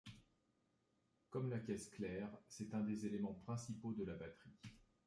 Comme la caisse claire, c'est un des éléments principaux de la batterie.